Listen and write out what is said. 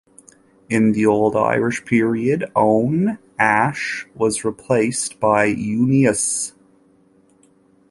In the Old Irish period, "onn" "ash" was replaced by "uinnius".